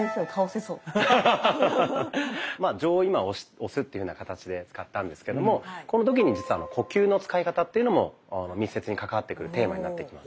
まあ杖を今押すっていうふうな形で使ったんですけどもこの時に実は呼吸の使い方っていうのも密接に関わってくるテーマになってきます。